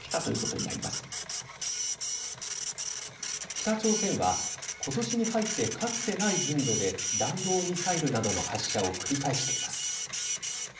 北朝鮮はことしに入ってかつてない頻度で弾道ミサイルなどの発射を繰り返しています。